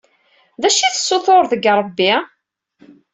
D acu i tessutureḍ deg rebbi?